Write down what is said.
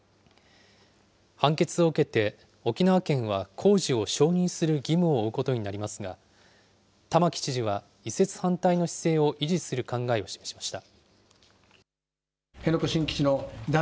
判決を受けて、沖縄県は工事を承認する義務を負うことになりますが、玉城知事は移設反対の姿勢を維持する考えを示しました。